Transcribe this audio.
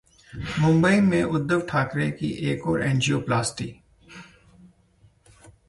मुंबई में उद्धव ठाकरे की एक और एंजियोप्लास्टी